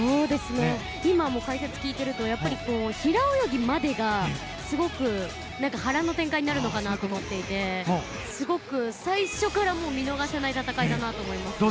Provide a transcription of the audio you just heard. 今の解説を聞いているとやっぱり平泳ぎまでがすごく波乱の展開になるのかなと思っていてすごく最初から見逃せない戦いだなと思います。